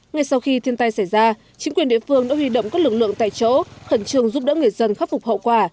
ngay sau khi thiên tai xảy ra chính quyền địa phương đã huy động các lực lượng tại chỗ khẩn trường giúp đỡ người dân khắc phục hậu quả